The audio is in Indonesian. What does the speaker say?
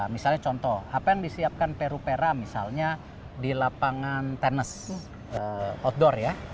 misalnya contoh apa yang disiapkan peru pera misalnya di lapangan tenis outdoor ya